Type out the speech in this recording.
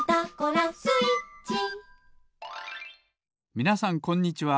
みなさんこんにちは。